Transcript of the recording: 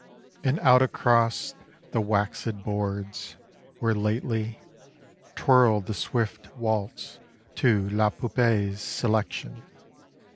And out across the waxèd boards, where lately Twirled the swift waltz to La Poupée's "Selection."